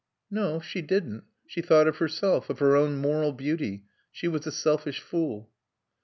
"No. She didn't. She thought of herself. Of her own moral beauty. She was a selfish fool."